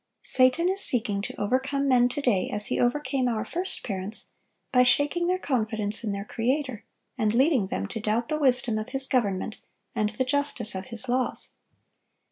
Satan is seeking to overcome men to day, as he overcame our first parents, by shaking their confidence in their Creator, and leading them to doubt the wisdom of His government and the justice of His laws.